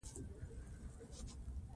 خو پۀ دې شلو کښې هم تقريباً پنځه فيصده